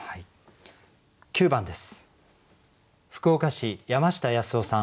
９番です。